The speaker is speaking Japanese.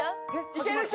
いける人？